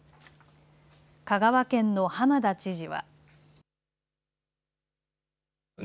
香川県の浜田知事は。